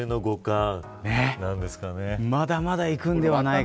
まだまだ行くんではないか。